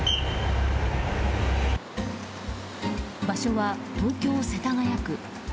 場所は東京・世田谷区。